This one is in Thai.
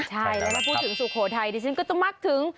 ใช่แล้วถ้าพูดถึงสุโขทัยดิฉันก็ต้องมักถึง